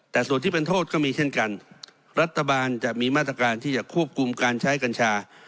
แต่ส่วนที่เป็นโทษก็มีเช่นกันรัฐบาลจะมีมาตรการที่จะควบคุมการใช้กัญชา